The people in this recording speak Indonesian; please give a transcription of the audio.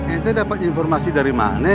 ini dapat informasi dari mana